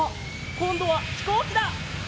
こんどはひこうきだ！